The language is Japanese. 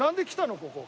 ここ。